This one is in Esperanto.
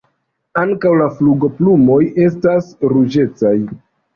Ankaŭ la flugoplumoj estas ruĝecaj.